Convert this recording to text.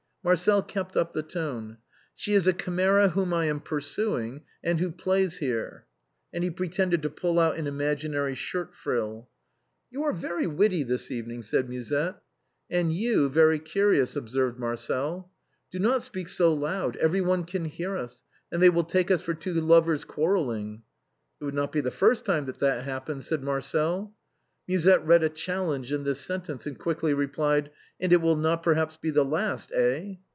Marcel kept up the joke. " She is a chimera whom I am pursuing, and who plays here." And he pretended to pull out an imaginary shirt frill. " You are very witty this evening," said Musette. 192 THE BOHEMIANS OF THE LATIN QUARTER. "And you very curious," observed Marcel. " Do not speak so loud, everyone can hear us, and they will take us for two lovers quarreling." " It would not be the first time that that happened," said Marcel. Musette read a challenge in this sentence, and quickly replied, "And it will not perhaps be the last, eh